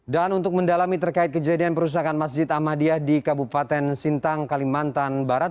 dan untuk mendalami terkait kejadian perusahaan masjid ahmadiyah di kabupaten sintang kalimantan barat